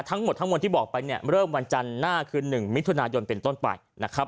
ทั้งหมดที่บอกไปเริ่มวันจันทร์หน้าคือ๑มิถุนายนเป็นต้นป่าย